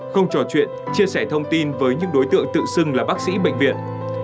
không trò chuyện chia sẻ thông tin với những đối tượng tự xưng là bác sĩ bệnh viện